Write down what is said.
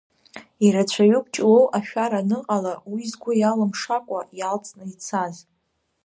Ирацәаҩуп Ҷлоу ашәара аныҟала, уи згәы, иалымшакәа иалҵны ицаз.